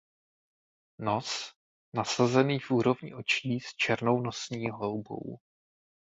Nos nasazený v úrovni očí s černou nosní houbou.